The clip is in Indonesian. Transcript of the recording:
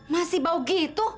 masih bau gitu